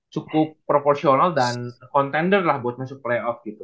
cukup proporsional dan contender lah buat masuk playoff gitu